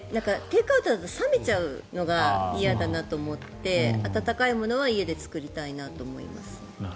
テイクアウトだと冷めちゃうのが嫌だなと思って暖かいものは家で作りたいなと思います。